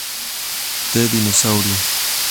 The Dinosauria.